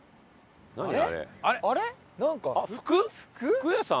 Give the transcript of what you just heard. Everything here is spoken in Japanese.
服屋さん？